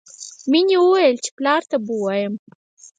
مینې وویل چې پلار ته به ووایم